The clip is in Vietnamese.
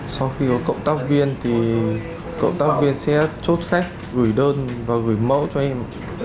sau khi có cộng tác viên thì cộng tác viên sẽ chốt khách gửi đơn và gửi mẫu cho em